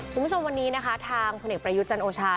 สูญชมวันนี้นะคะทางคนอีกประยุจจันโอชา